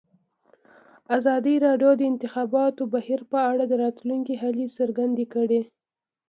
ازادي راډیو د د انتخاباتو بهیر په اړه د راتلونکي هیلې څرګندې کړې.